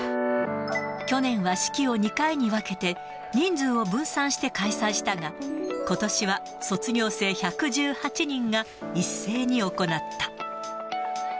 去年は式を２回に分けて、人数を分散して開催したが、ことしは卒業生１１８人が一斉に行った。